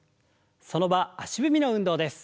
その場足踏みの運動です。